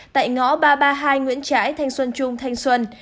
tại ngõ ba trăm ba mươi hai nguyễn trãi thanh xuân trung thanh xuân